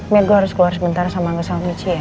mir gue harus keluar sebentar sama ngesal michi ya